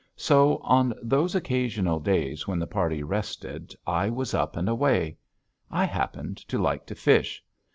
So, on those occasional days when the party rested, I was up and away. I happen to like to fish.